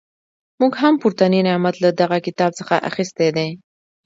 موږ هم پورتنی نعت له دغه کتاب څخه اخیستی دی.